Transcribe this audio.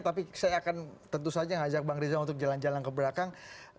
tapi saya akan tentu saja ngajak bang riza untuk jalan jalan ke belakang